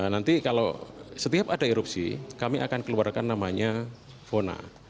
nanti kalau setiap ada erupsi kami akan keluarkan namanya vona